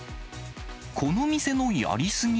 この店のやりすぎ？